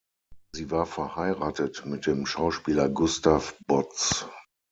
Sie war verheiratet mit dem Schauspieler Gustav Botz.